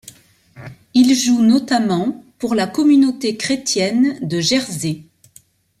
Il joue notamment pour la communauté chrétienne de Jersey.